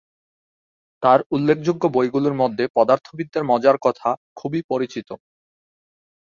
তার উল্লেখযোগ্য বই গুলির মধ্যে পদার্থবিদ্যার মজার কথা খুবই পরিচিত।